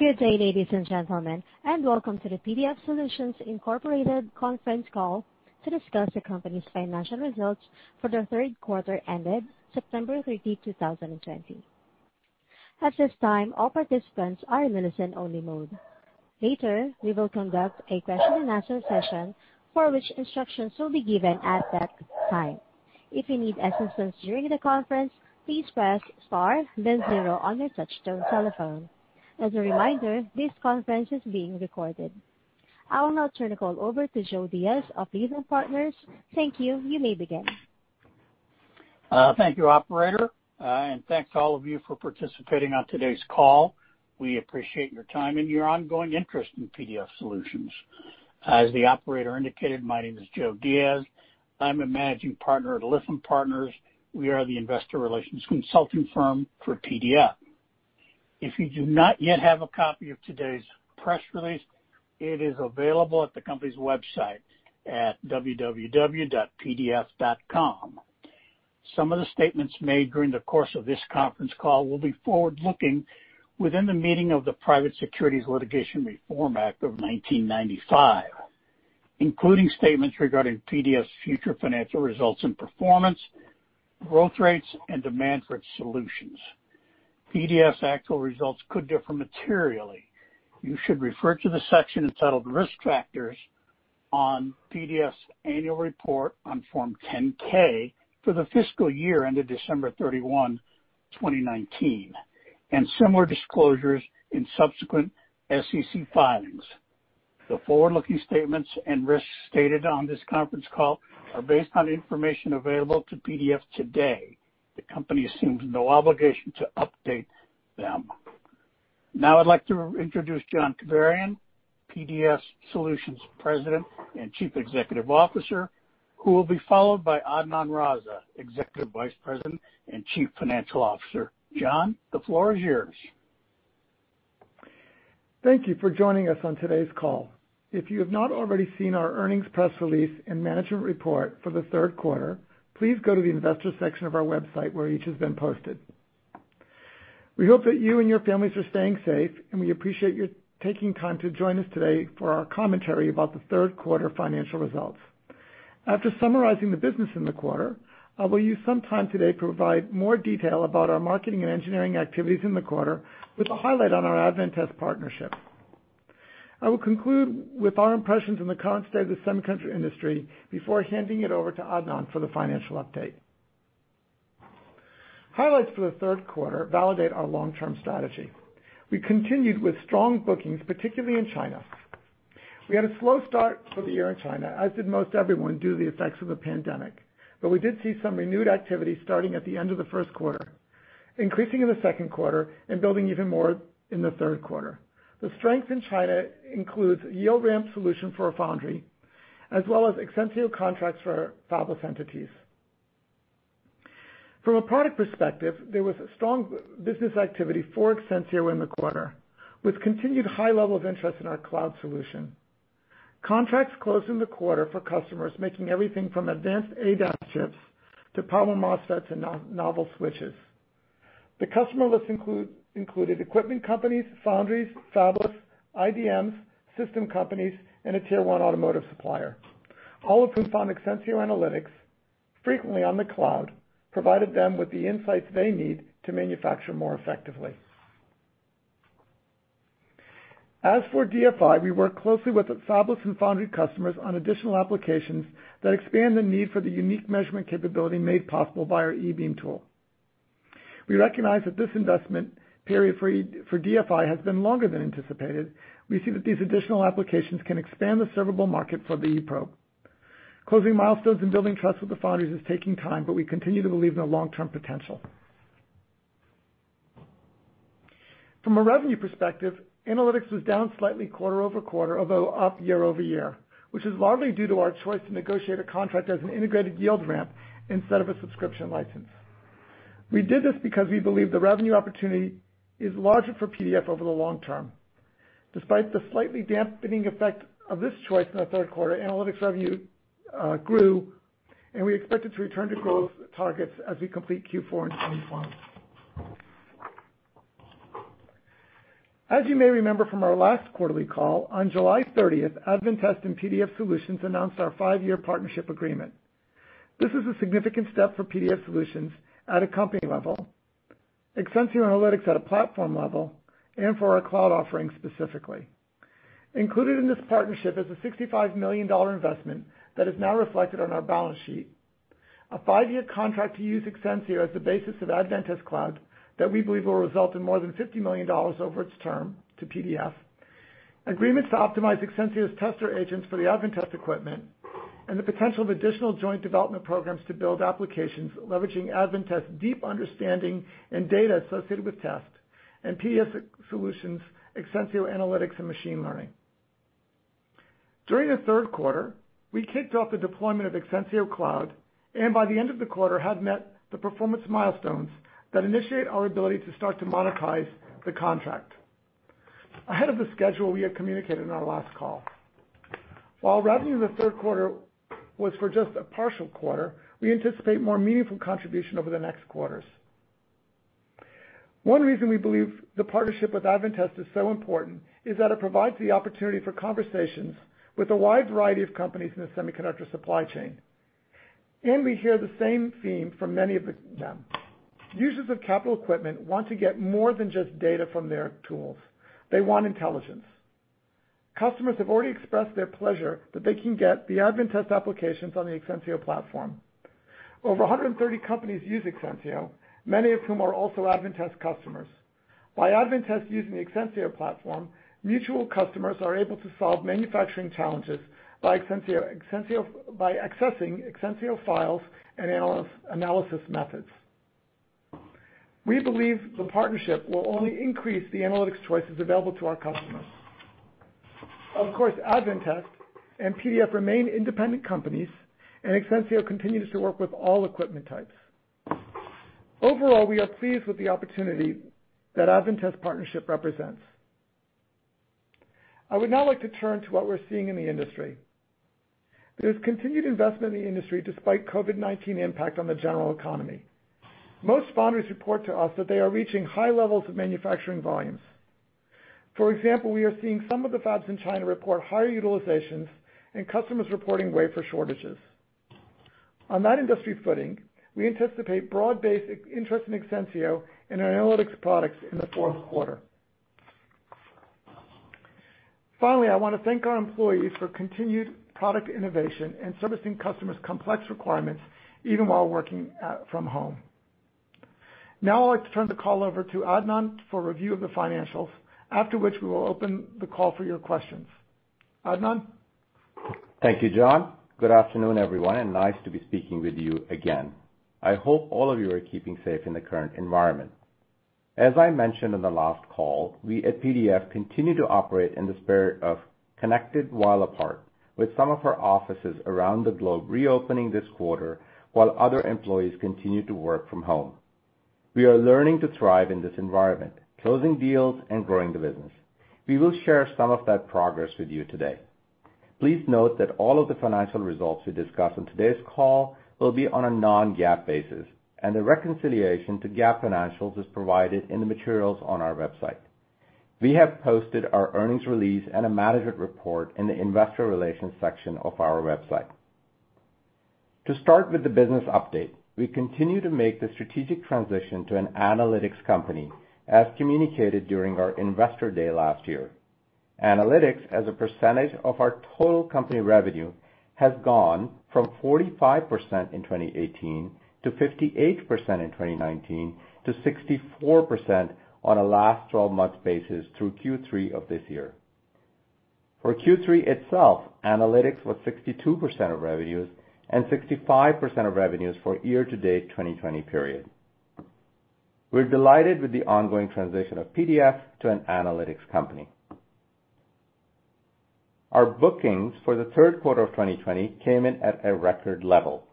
Good day, ladies and gentlemen, and welcome to the PDF Solutions Incorporated conference call to discuss the company's financial results for the third quarter ended September 30, 2020. I will now turn the call over to Joe Diaz of Lytham Partners. Thank you. You may begin. Thank you, operator. Thanks to all of you for participating on today's call. We appreciate your time and your ongoing interest in PDF Solutions. As the operator indicated, my name is Joe Diaz. I'm a managing partner at Lytham Partners. We are the investor relations consulting firm for PDF. If you do not yet have a copy of today's press release, it is available at the company's website at www.pdf.com. Some of the statements made during the course of this conference call will be forward-looking within the meaning of the Private Securities Litigation Reform Act of 1995, including statements regarding PDF's future financial results and performance, growth rates, and demand for its solutions. PDF's actual results could differ materially. You should refer to the section entitled Risk Factors on PDF's annual report on Form 10-K for the fiscal year ended December 31, 2019, and similar disclosures in subsequent SEC filings. The forward-looking statements and risks stated on this conference call are based on information available to PDF today. The company assumes no obligation to update them. Now I'd like to introduce John K. Kibarian, PDF Solutions President and Chief Executive Officer, who will be followed by Adnan Raza, Executive Vice President and Chief Financial Officer. John, the floor is yours. Thank you for joining us on today's call. If you have not already seen our earnings press release and management report for the third quarter, please go to the investor section of our website, where each has been posted. We hope that you and your families are staying safe, we appreciate you taking time to join us today for our commentary about the third quarter financial results. After summarizing the business in the quarter, I will use some time today to provide more detail about our marketing and engineering activities in the quarter with a highlight on our Advantest partnership. I will conclude with our impressions on the current state of the semiconductor industry before handing it over to Adnan for the financial update. Highlights for the third quarter validate our long-term strategy. We continued with strong bookings, particularly in China. We had a slow start for the year in China, as did most everyone, due to the effects of the pandemic. We did see some renewed activity starting at the end of the first quarter, increasing in the second quarter and building even more in the third quarter. The strength in China includes yield ramp solution for a foundry, as well as Exensio contracts for fabless entities. From a product perspective, there was strong business activity for Exensio in the quarter, with continued high levels of interest in our cloud solution. Contracts closed in the quarter for customers making everything from advanced ADAS chips to power MOSFETs and novel switches. The customer list included equipment companies, foundries, fabless, IDMs, system companies, and a tier 1 automotive supplier, all of whom found Exensio Analytics, frequently on the cloud, provided them with the insights they need to manufacture more effectively. As for DFI, we work closely with fabless and foundry customers on additional applications that expand the need for the unique measurement capability made possible by our eProbe. We recognize that this investment period for DFI has been longer than anticipated. We see that these additional applications can expand the servable market for the eProbe. Closing milestones and building trust with the foundries is taking time, but we continue to believe in the long-term potential. From a revenue perspective, analytics was down slightly quarter-over-quarter, although up year-over-year, which is largely due to our choice to negotiate a contract as an Integrated Yield Ramp instead of a subscription license. We did this because we believe the revenue opportunity is larger for PDF over the long term. Despite the slightly dampening effect of this choice in the third quarter, Analytics revenue grew, and we expect it to return to growth targets as we complete Q4 in 2021. As you may remember from our last quarterly call, on July 30th, Advantest and PDF Solutions announced our five-year partnership agreement. This is a significant step for PDF Solutions at a company level, Exensio Analytics at a platform level, and for our cloud offering specifically. Included in this partnership is a $65 million investment that is now reflected on our balance sheet, a five-year contract to use Exensio as the basis of Advantest Cloud that we believe will result in more than $50 million over its term to PDF, agreements to optimize Exensio's tester agents for the Advantest equipment, and the potential of additional joint development programs to build applications leveraging Advantest's deep understanding and data associated with test and PDF Solutions Exensio Analytics and machine learning. During the third quarter, we kicked off the deployment of Exensio Cloud, and by the end of the quarter, had met the performance milestones that initiate our ability to start to monetize the contract. Ahead of the schedule we had communicated in our last call. While revenue in the third quarter was for just a partial quarter, we anticipate more meaningful contribution over the next quarters. One reason we believe the partnership with Advantest is so important is that it provides the opportunity for conversations with a wide variety of companies in the semiconductor supply chain, and we hear the same theme from many of them. Users of capital equipment want to get more than just data from their tools. They want intelligence. Customers have already expressed their pleasure that they can get the Advantest applications on the Exensio platform. Over 130 companies use Exensio, many of whom are also Advantest customers. By Advantest using the Exensio platform, mutual customers are able to solve manufacturing challenges by accessing Exensio files and analysis methods. We believe the partnership will only increase the analytics choices available to our customers. Of course, Advantest and PDF remain independent companies, and Exensio continues to work with all equipment types. Overall, we are pleased with the opportunity that Advantest partnership represents. I would now like to turn to what we're seeing in the industry. There's continued investment in the industry, despite COVID-19 impact on the general economy. Most founders report to us that they are reaching high levels of manufacturing volumes. For example, we are seeing some of the fabs in China report higher utilizations and customers reporting wafer shortages. On that industry footing, we anticipate broad-based interest in Exensio and our analytics products in the fourth quarter. Finally, I want to thank our employees for continued product innovation and servicing customers' complex requirements, even while working from home. Now I'd like to turn the call over to Adnan for review of the financials, after which we will open the call for your questions. Adnan? Thank you, John. Good afternoon, everyone, and nice to be speaking with you again. I hope all of you are keeping safe in the current environment. As I mentioned on the last call, we at PDF continue to operate in the spirit of connected while apart, with some of our offices around the globe reopening this quarter, while other employees continue to work from home. We are learning to thrive in this environment, closing deals and growing the business. We will share some of that progress with you today. Please note that all of the financial results we discuss on today's call will be on a non-GAAP basis, and the reconciliation to GAAP financials is provided in the materials on our website. We have posted our earnings release and a management report in the investor relations section of our website. To start with the business update, we continue to make the strategic transition to an analytics company, as communicated during our investor day last year. Analytics as a percentage of our total company revenue has gone from 45% in 2018, to 58% in 2019, to 64% on a last 12 months basis through Q3 of this year. For Q3 itself, analytics was 62% of revenues and 65% of revenues for year-to-date 2020 period. We're delighted with the ongoing transition of PDF to an analytics company. Our bookings for the third quarter of 2020 came in at a record level,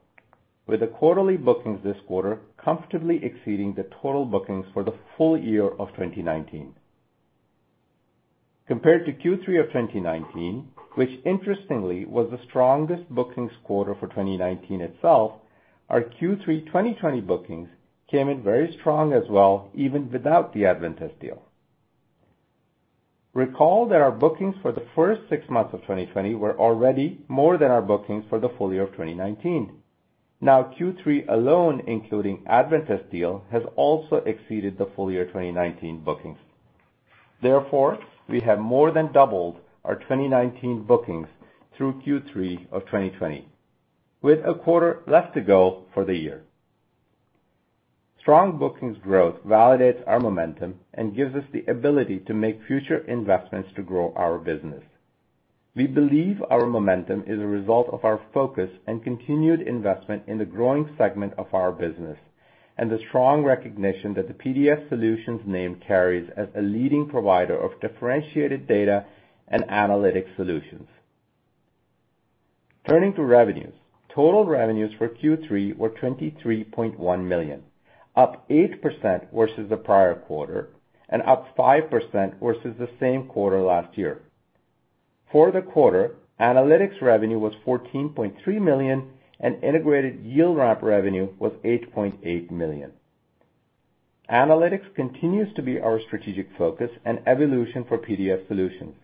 with the quarterly bookings this quarter comfortably exceeding the total bookings for the full year of 2019. Compared to Q3 of 2019, which interestingly was the strongest bookings quarter for 2019 itself, our Q3 2020 bookings came in very strong as well, even without the Advantest deal. Recall that our bookings for the first six months of 2020 were already more than our bookings for the full year of 2019. Q3 alone, including Advantest deal, has also exceeded the full year 2019 bookings. We have more than doubled our 2019 bookings through Q3 of 2020, with a quarter left to go for the year. Strong bookings growth validates our momentum and gives us the ability to make future investments to grow our business. We believe our momentum is a result of our focus and continued investment in the growing segment of our business and the strong recognition that the PDF Solutions name carries as a leading provider of differentiated data and analytics solutions. Turning to revenues. Total revenues for Q3 were $23.1 million, up 8% versus the prior quarter and up 5% versus the same quarter last year. For the quarter, analytics revenue was $14.3 million, and Integrated Yield Ramp revenue was $8.8 million. Analytics continues to be our strategic focus and evolution for PDF Solutions.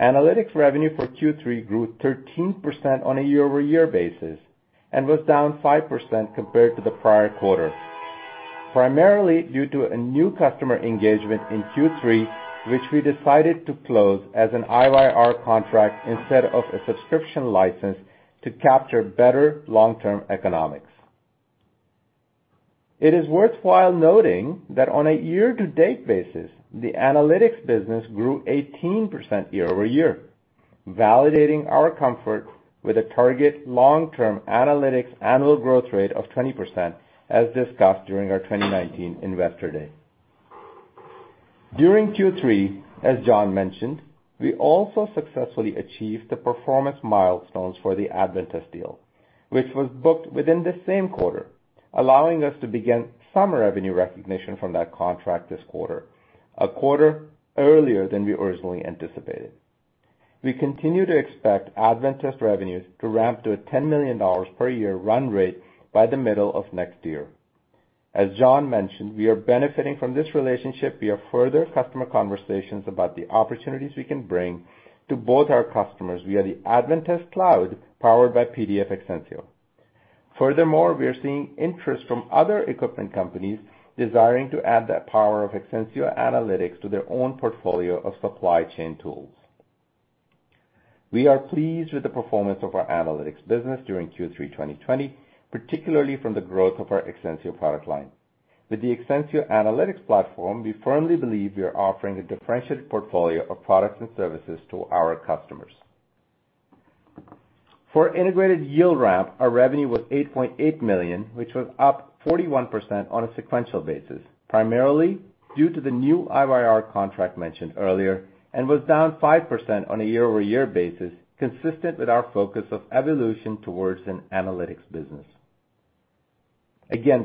Analytics revenue for Q3 grew 13% on a year-over-year basis and was down 5% compared to the prior quarter, primarily due to a new customer engagement in Q3, which we decided to close as an IYR contract instead of a subscription license to capture better long-term economics. It is worthwhile noting that on a year-to-date basis, the analytics business grew 18% year-over-year, validating our comfort with a target long-term analytics annual growth rate of 20%, as discussed during our 2019 investor day. During Q3, as John mentioned, we also successfully achieved the performance milestones for the Advantest deal, which was booked within the same quarter, allowing us to begin some revenue recognition from that contract this quarter, a quarter earlier than we originally anticipated. We continue to expect Advantest revenues to ramp to a $10 million per year run rate by the middle of next year. As John mentioned, we are benefiting from this relationship via further customer conversations about the opportunities we can bring to both our customers via the Advantest Cloud, powered by PDF Exensio. We are seeing interest from other equipment companies desiring to add that power of Exensio Analytics to their own portfolio of supply chain tools. We are pleased with the performance of our analytics business during Q3 2020, particularly from the growth of our Exensio product line. With the Exensio Analytics platform, we firmly believe we are offering a differentiated portfolio of products and services to our customers. For Integrated Yield Ramp, our revenue was $8.8 million, which was up 41% on a sequential basis, primarily due to the new IYR contract mentioned earlier, and was down 5% on a year-over-year basis, consistent with our focus of evolution towards an analytics business.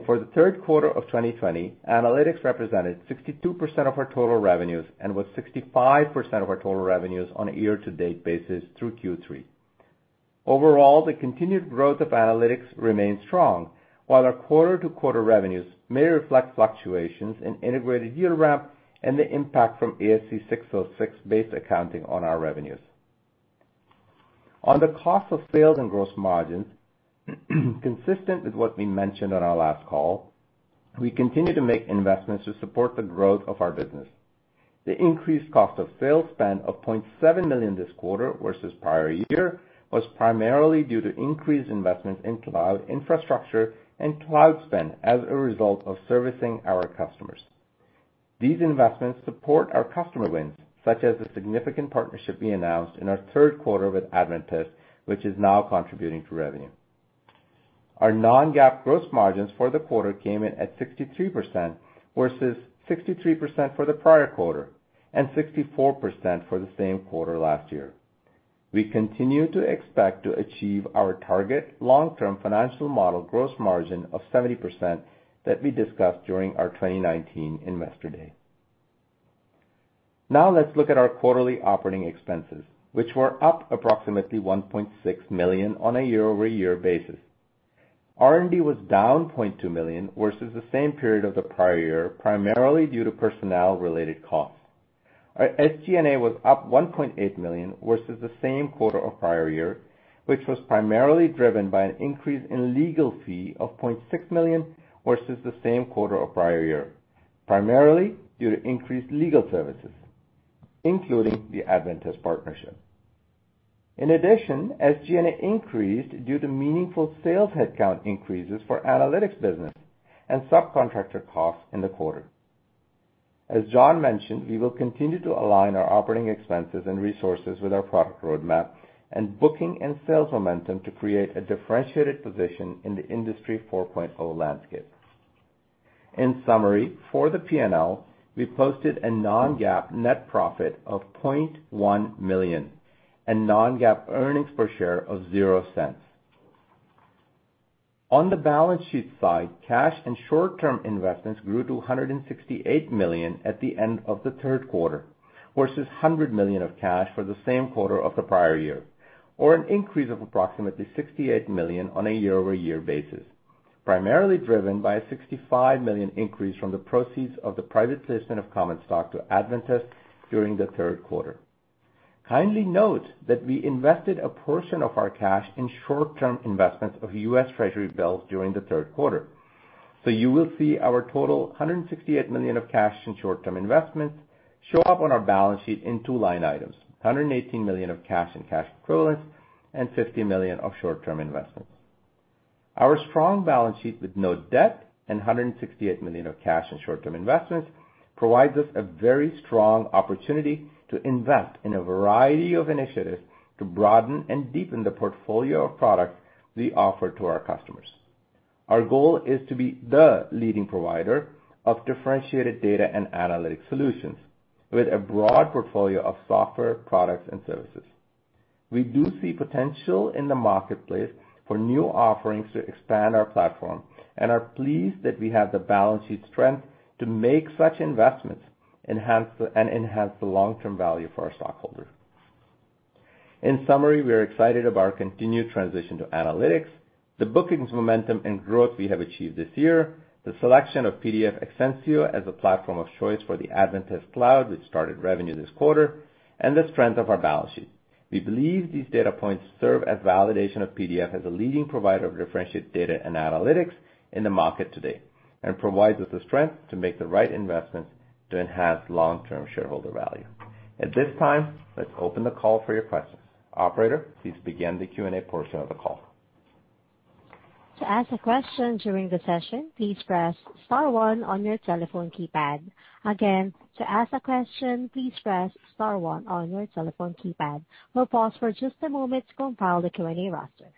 For the third quarter of 2020, analytics represented 62% of our total revenues and was 65% of our total revenues on a year-to-date basis through Q3. Overall, the continued growth of analytics remains strong, while our quarter-to-quarter revenues may reflect fluctuations in Integrated Yield Ramp and the impact from ASC 606-based accounting on our revenues. On the cost of sales and gross margins, consistent with what we mentioned on our last call, we continue to make investments to support the growth of our business. The increased cost of sales spend of $0.7 million this quarter versus prior year was primarily due to increased investment in cloud infrastructure and cloud spend as a result of servicing our customers. These investments support our customer wins, such as the significant partnership we announced in our third quarter with Advantest, which is now contributing to revenue. Our non-GAAP gross margins for the quarter came in at 63%, versus 63% for the prior quarter and 64% for the same quarter last year. We continue to expect to achieve our target long-term financial model gross margin of 70% that we discussed during our 2019 Investor Day. Now let's look at our quarterly operating expenses, which were up approximately $1.6 million on a year-over-year basis. R&D was down $0.2 million versus the same period of the prior year, primarily due to personnel-related costs. Our SG&A was up $1.8 million versus the same quarter of prior year, which was primarily driven by an increase in legal fee of $0.6 million versus the same quarter of prior year, primarily due to increased legal services, including the Advantest partnership. In addition, SG&A increased due to meaningful sales headcount increases for analytics business and subcontractor costs in the quarter. As John mentioned, we will continue to align our operating expenses and resources with our product roadmap and booking and sales momentum to create a differentiated position in the Industry 4.0 landscape. In summary, for the P&L, we posted a non-GAAP net profit of $0.1 million and non-GAAP earnings per share of $0.00. On the balance sheet side, cash and short-term investments grew to $168 million at the end of the third quarter versus $100 million of cash for the same quarter of the prior year, or an increase of approximately $68 million on a year-over-year basis, primarily driven by a $65 million increase from the proceeds of the private placement of common stock to Advantest during the third quarter. Kindly note that we invested a portion of our cash in short-term investments of U.S. Treasury bills during the third quarter. You will see our total $168 million of cash in short-term investments show up on our balance sheet in two line items, $118 million of cash and cash equivalents and $50 million of short-term investments. Our strong balance sheet with no debt and $168 million of cash in short-term investments provides us a very strong opportunity to invest in a variety of initiatives to broaden and deepen the portfolio of products we offer to our customers. Our goal is to be the leading provider of differentiated data and analytic solutions with a broad portfolio of software products and services. We do see potential in the marketplace for new offerings to expand our platform and are pleased that we have the balance sheet strength to make such investments and enhance the long-term value for our stockholders. In summary, we are excited about our continued transition to analytics, the bookings momentum and growth we have achieved this year, the selection of PDF Exensio as a platform of choice for the Advantest Cloud, which started revenue this quarter, and the strength of our balance sheet. We believe these data points serve as validation of PDF as a leading provider of differentiated data and analytics in the market today, and provides us the strength to make the right investments to enhance long-term shareholder value. At this time, let's open the call for your questions. Operator, please begin the Q&A portion of the call. To ask a question during the session, please press star one on your telephone keypad. Again, to ask a question, please press star one on your telephone keypad. We'll pause for just a moment to compile the Q&A roster.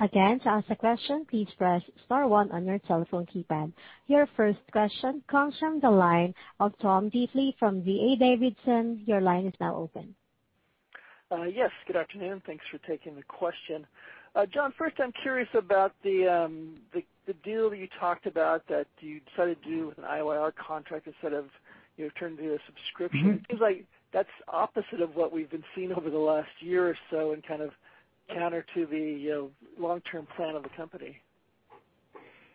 Again, to ask a question, please press star one on your telephone keypad. Your first question comes from the line of Tom Diffely from D.A. Davidson. Your line is now open. Yes. Good afternoon. Thanks for taking the question. John, first, I'm curious about the deal that you talked about that you decided to do with an IYR contract instead of turning it into a subscription. It seems like that's opposite of what we've been seeing over the last year or so and kind of counter to the long-term plan of the company.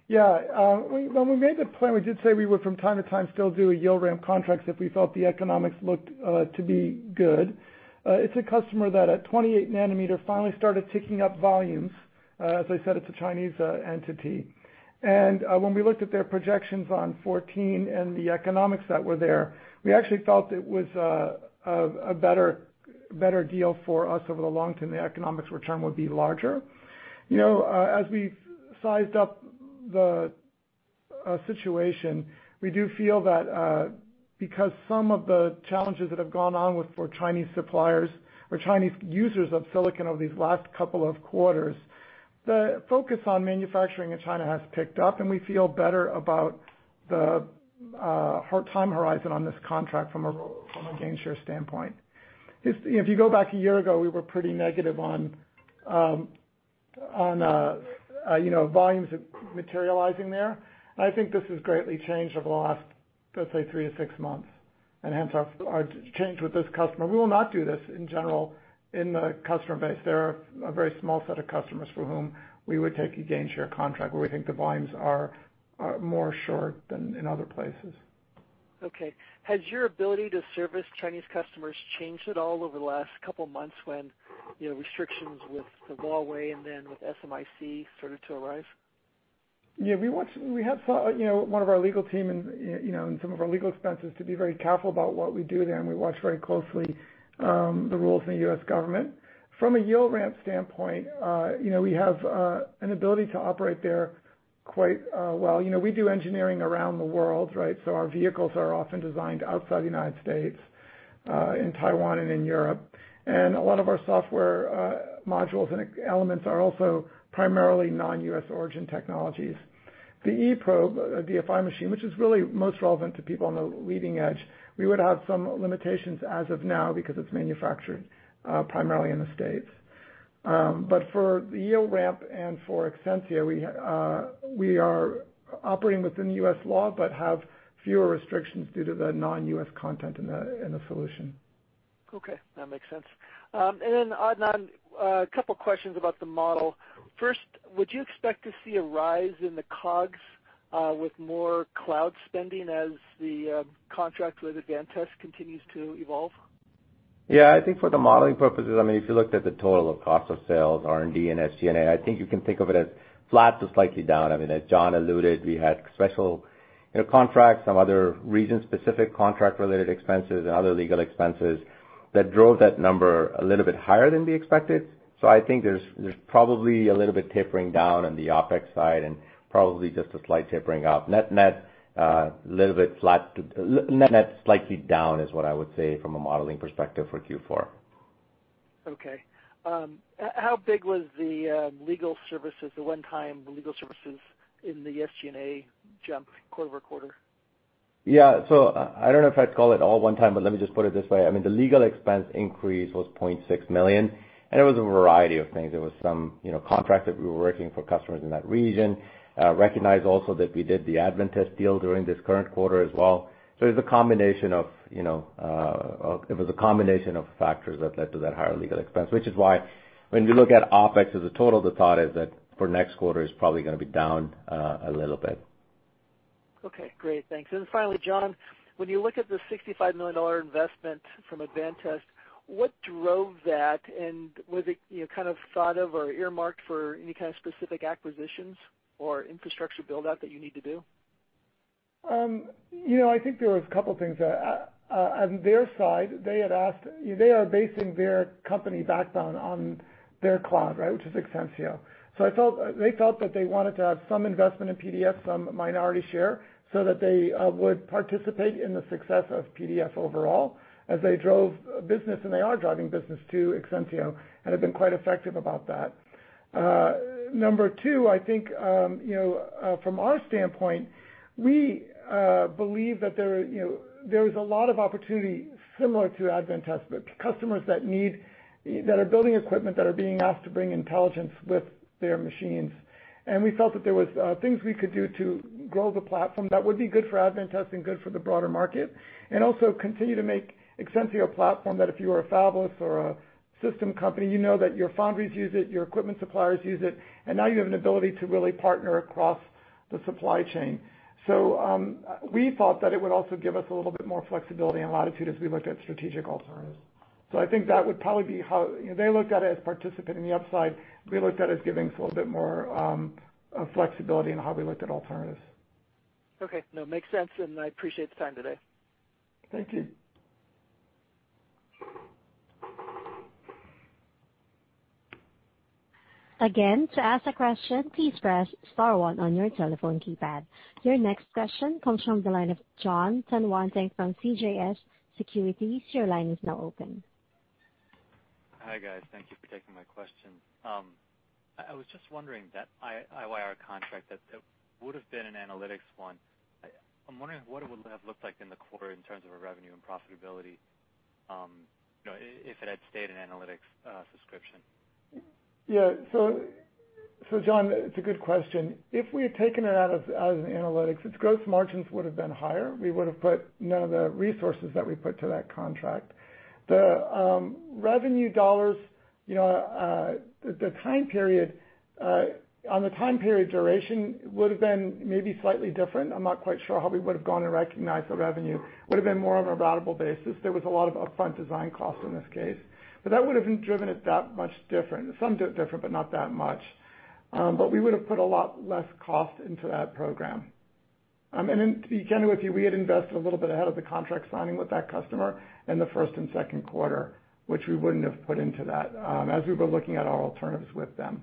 When we made the plan, we did say we would from time to time still do yield ramp contracts if we felt the economics looked to be good. It's a customer that at 28 nm finally started ticking up volumes. As I said, it's a Chinese entity. When we looked at their projections on 14 and the economics that were there, we actually felt it was a better deal for us over the long term, the economics return would be larger. As we sized up the situation, we do feel that because some of the challenges that have gone on for Chinese suppliers or Chinese users of silicon over these last couple of quarters, the focus on manufacturing in China has picked up, and we feel better about the time horizon on this contract from a gain share standpoint. If you go back a year ago, we were pretty negative on volumes materializing there. I think this has greatly changed over the last, let's say, three to six months, and hence our change with this customer. We will not do this in general in the customer base. There are a very small set of customers for whom we would take a gain share contract, where we think the volumes are more sure than in other places. Okay. Has your ability to service Chinese customers changed at all over the last couple of months when restrictions with Huawei and then with SMIC started to arise? Yeah. One of our legal team and some of our legal expenses to be very careful about what we do there, and we watch very closely the rules in the U.S. government. From a yield ramp standpoint, we have an ability to operate there quite well. We do engineering around the world, right? Our vehicles are often designed outside the United States, in Taiwan and in Europe. A lot of our software modules and elements are also primarily non-U.S. origin technologies. The eProbe DFI machine, which is really most relevant to people on the leading edge, we would have some limitations as of now because it's manufactured primarily in the States. For yield ramp and for Exensio, we are operating within the U.S. law but have fewer restrictions due to the non-U.S. content in the solution. Okay. That makes sense. Adnan, a couple questions about the model. First, would you expect to see a rise in the COGS with more cloud spending as the contract with Advantest continues to evolve? I think for the modeling purposes, if you looked at the total of cost of sales, R&D, and SG&A, I think you can think of it as flat to slightly down. As John alluded, we had special contracts, some other region-specific contract-related expenses and other legal expenses that drove that number a little bit higher than we expected. I think there's probably a little bit tapering down on the OpEx side and probably just a slight tapering up. Net slightly down is what I would say from a modeling perspective for Q4. Okay. How big was the legal services, the one-time legal services in the SG&A jump quarter-over-quarter? I don't know if I'd call it all one time, but let me just put it this way. The legal expense increase was $0.6 million, and it was a variety of things. There was some contract that we were working for customers in that region. Recognize also that we did the Advantest deal during this current quarter as well. It was a combination of factors that led to that higher legal expense, which is why when you look at OpEx as a total, the thought is that for next quarter, it's probably going to be down a little bit. Okay, great. Thanks. Finally, John, when you look at the $65 million investment from Advantest, what drove that, and was it kind of thought of or earmarked for any kind of specific acquisitions or infrastructure build-out that you need to do? I think there was a couple things there. On their side, they are basing their company backed on their cloud, which is Exensio. They felt that they wanted to have some investment in PDF, some minority share, so that they would participate in the success of PDF overall as they drove business, and they are driving business to Exensio and have been quite effective about that. Number two, I think from our standpoint, we believe that there is a lot of opportunity similar to Advantest, but customers that are building equipment that are being asked to bring intelligence with their machines. We felt that there was things we could do to grow the platform that would be good for Advantest and good for the broader market, and also continue to make Exensio a platform that if you are a fabless or a system company, you know that your foundries use it, your equipment suppliers use it, and now you have an ability to really partner across the supply chain. We thought that it would also give us a little bit more flexibility and latitude as we looked at strategic alternatives. I think that would probably be how they looked at it as participating in the upside. We looked at it as giving us a little bit more flexibility in how we looked at alternatives. Okay. No, makes sense, and I appreciate the time today. Thank you. Again, to ask a question, please press star one on your telephone keypad. Your next question comes from the line of Jon Tanwanteng from CJS Securities. Your line is now open. Hi, guys. Thank you for taking my question. I was just wondering that IYR contract that would've been an analytics one. I'm wondering what it would have looked like in the quarter in terms of a revenue and profitability, if it had stayed an analytics subscription. Yeah. Jon, it's a good question. If we had taken it out as an analytics, its gross margins would've been higher. We would've put none of the resources that we put to that contract. The revenue dollars, on the time period duration, would've been maybe slightly different. I'm not quite sure how we would've gone and recognized the revenue. Would've been more of a ratable basis. There was a lot of upfront design costs in this case. That wouldn't have driven it that much different. Some different, but not that much. We would've put a lot less cost into that program. To be candid with you, we had invested a little bit ahead of the contract signing with that customer in the first and second quarter, which we wouldn't have put into that, as we were looking at our alternatives with them.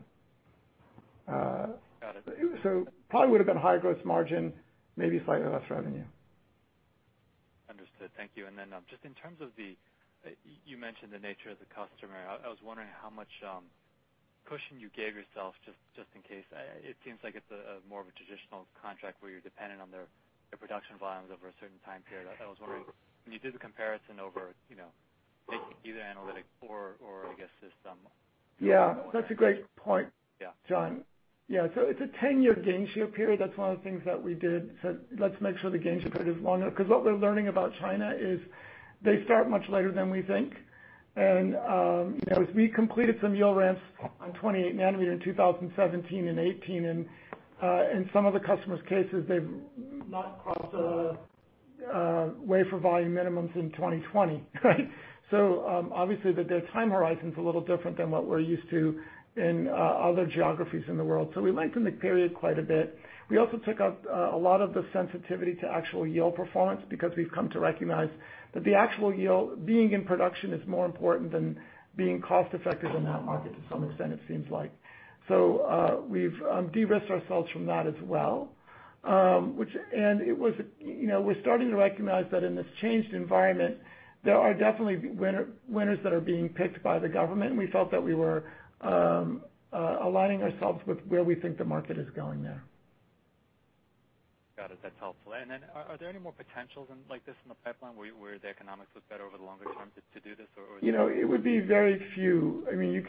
Got it. Probably would've been higher gross margin, maybe slightly less revenue. Understood. Thank you. Then just in terms of the You mentioned the nature of the customer. I was wondering how much cushion you gave yourself just in case. It seems like it's more of a traditional contract where you're dependent on their production volumes over a certain time period. I was wondering, when you did the comparison over, either analytic or I guess system. Yeah, that's a great point. Yeah. Yeah. It's a 10-year gain share period. That's one of the things that we did, said let's make sure the gain share period is long enough because what we're learning about China is they start much later than we think. As we completed some yield ramps on 28 nm in 2017 and 2018, and some of the customers' cases, they've not crossed a wafer volume minimums in 2020, right? Obviously their time horizon's a little different than what we're used to in other geographies in the world. We lengthened the period quite a bit. We also took out a lot of the sensitivity to actual yield performance because we've come to recognize that the actual yield being in production is more important than being cost effective in that market, to some extent, it seems like. We've de-risked ourselves from that as well. We're starting to recognize that in this changed environment, there are definitely winners that are being picked by the government, and we felt that we were aligning ourselves with where we think the market is going there. Got it. That's helpful. Are there any more potentials like this in the pipeline where the economics look better over the longer term to do this? It would be very few. You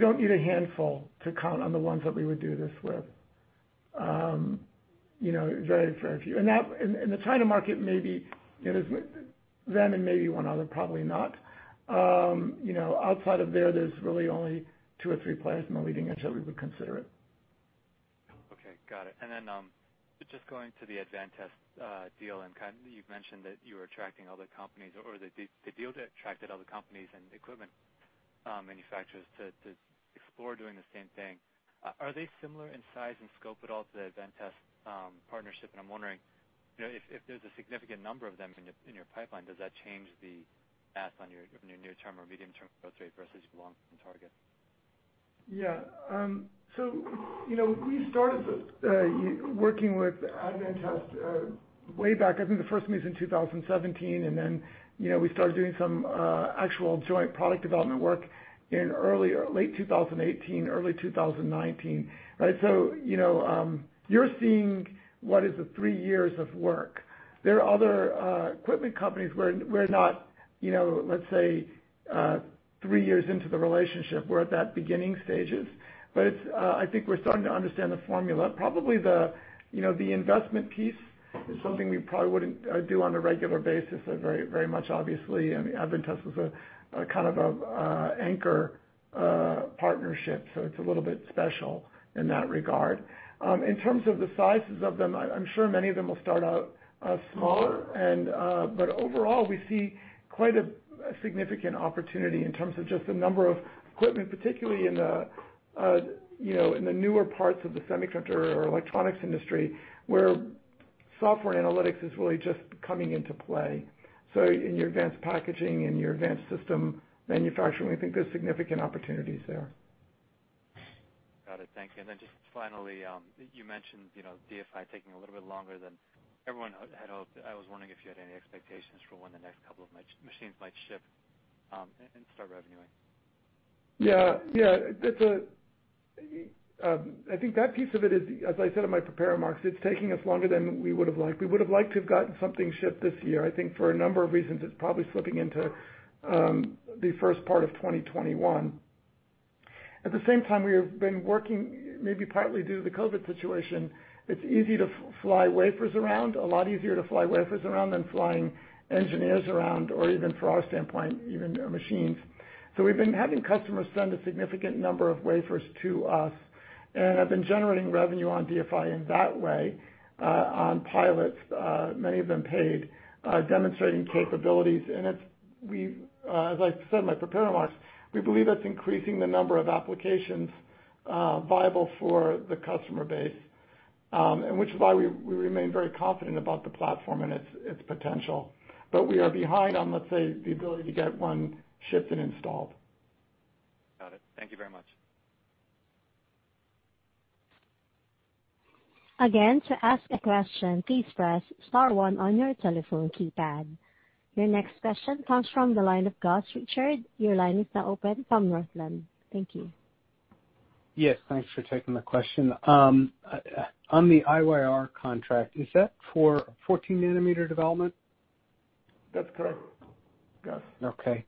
don't need a handful to count on the ones that we would do this with. Very few. In the China market, maybe it is them and maybe one other, probably not. Outside of there's really only two or three players in the leading edge that we would consider it. Okay, got it. Just going to the Advantest deal, and you've mentioned that you are attracting other companies, or the deal attracted other companies and equipment manufacturers to explore doing the same thing. Are they similar in size and scope at all to the Advantest partnership? I'm wondering, if there's a significant number of them in your pipeline, does that change the math on your near-term or medium-term growth rate versus long-term target? Yeah. We started working with Advantest way back, I think the first meet in 2017, and then we started doing some actual joint product development work in late 2018, early 2019, right? You're seeing what is the three years of work. There are other equipment companies where we're not, let's say, three years into the relationship. We're at that beginning stages. I think we're starting to understand the formula. Probably the investment piece is something we probably wouldn't do on a regular basis very much, obviously, and Advantest was a kind of anchor partnership, so it's a little bit special in that regard. In terms of the sizes of them, I'm sure many of them will start out small. Overall, we see quite a significant opportunity in terms of just the number of equipment, particularly in the newer parts of the semiconductor or electronics industry, where software analytics is really just coming into play. In your advanced packaging, in your advanced system manufacturing, we think there's significant opportunities there. Got it. Thank you. Just finally, you mentioned DFI taking a little bit longer than everyone had hoped. I was wondering if you had any expectations for when the next couple of machines might ship, and start revenueing. Yeah. I think that piece of it is, as I said in my prepared remarks, it's taking us longer than we would've liked. We would've liked to have gotten something shipped this year. I think for a number of reasons, it's probably slipping into the first part of 2021. At the same time, we have been working, maybe partly due to the COVID-19 situation, it's easy to fly wafers around, a lot easier to fly wafers around than flying engineers around, or even from our standpoint, even our machines. We've been having customers send a significant number of wafers to us, and have been generating revenue on DFI in that way, on pilots, many of them paid, demonstrating capabilities. As I said in my prepared remarks, we believe that's increasing the number of applications viable for the customer base, and which is why we remain very confident about the platform and its potential. We are behind on, let's say, the ability to get one shipped and installed. Got it. Thank you very much. Your next question comes from the line of Gus Richard your line is now open from Northland. Thank you. Yes, thanks for taking the question. On the IYR contract, is that for 14 nanometer development? That's correct, Gus. Okay.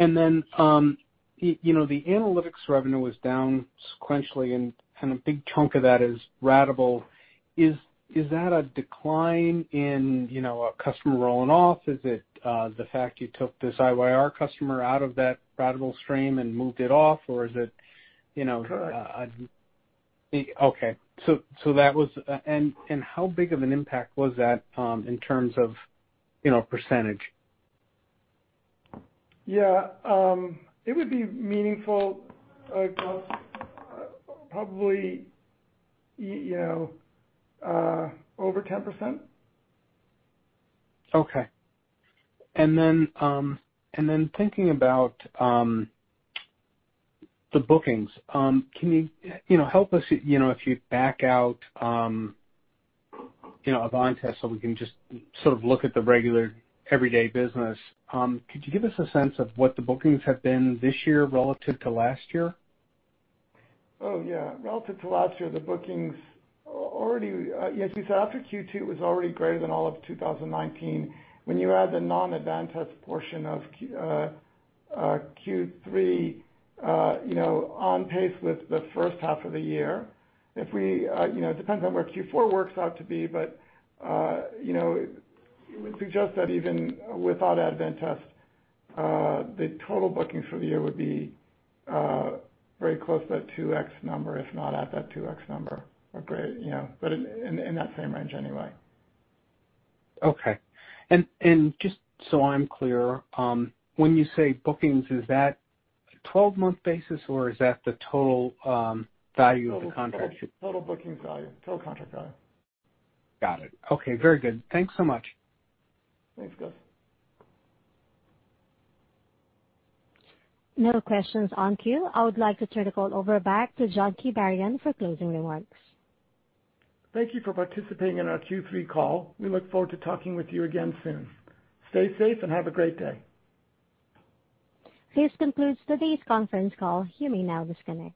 The Analytics revenue was down sequentially, and a big chunk of that is ratable. Is that a decline in a customer rolling off? Is it the fact you took this IYR customer out of that ratable stream and moved it off? Correct. Okay. How big of an impact was that in terms of percentage? Yeah. It would be meaningful, Gus. Probably over 10%. Okay. Thinking about the bookings, can you help us if you back out Advantest so we can just sort of look at the regular everyday business? Could you give us a sense of what the bookings have been this year relative to last year? Oh, yeah. Relative to last year, the bookings already As you said, after Q2, it was already greater than all of 2019, when you add the non-Advantest portion of Q3 on pace with the first half of the year. It depends on where Q4 works out to be, but it would suggest that even without Advantest the total bookings for the year would be very close to that 2x number, if not at that 2x number. In that same range anyway. Okay. Just so I'm clear when you say bookings, is that 12-month basis, or is that the total value of the contract? Total booking value. Total contract value. Got it. Okay. Very good. Thanks so much. Thanks, Gus. No questions on queue. I would like to turn the call over back to John Kibarian for closing remarks. Thank you for participating in our Q3 call. We look forward to talking with you again soon. Stay safe and have a great day. This concludes today's conference call. You may now disconnect.